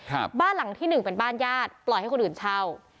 บ้านหลังที่หนึ่งเป็นบ้านญาติปล่อยให้คนอื่นเช่า